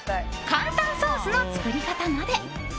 簡単ソースの作り方まで。